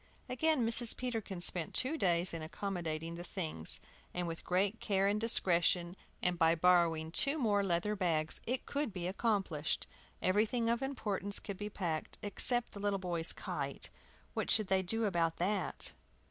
Again Mrs. Peterkin spent two days in accommodating the things. With great care and discretion, and by borrowing two more leather bags, it could be accomplished. Everything of importance could be packed, except the little boys' kite. What should they do about that?